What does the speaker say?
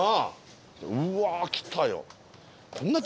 うわ来たよ。